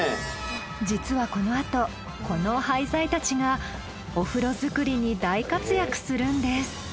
実はこのあとこの廃材たちがお風呂作りに大活躍するんです。